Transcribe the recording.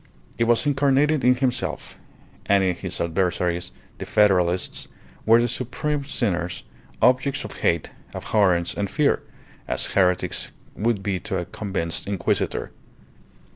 It was incarnated in himself, and his adversaries, the Federalists, were the supreme sinners, objects of hate, abhorrence, and fear, as heretics would be to a convinced Inquisitor.